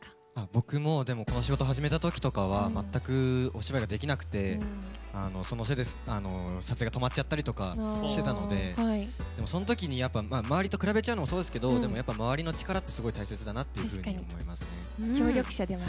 僕もこの仕事始めたとき全くお芝居ができなくてそのせいで、撮影が止まっちゃったりとかしてたのでそのときに周りと比べちゃうのもそうですけど周りの力ってすごい大切だなと思いますね。